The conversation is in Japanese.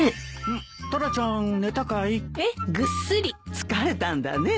疲れたんだね。